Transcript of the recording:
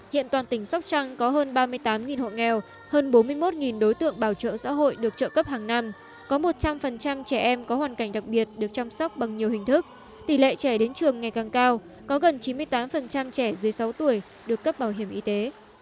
hiện toàn tỉnh sóc trăng có hơn ba mươi tám hộ nghèo hơn bốn mươi một đối tượng bảo trợ xã hội được trợ cấp hàng năm có một trăm linh trẻ em có hoàn cảnh đặc biệt được chăm sóc bằng nhiều hình thức tỷ lệ trẻ đến trường ngày càng cao có gần chín mươi tám trẻ dưới sáu tuổi được cấp bảo hiểm y tế